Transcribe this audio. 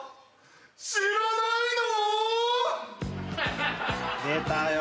知らないの！？